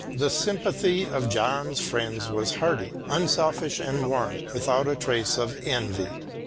The sympathy of John's friends was hearty, unselfish and warm, without a trace of envy.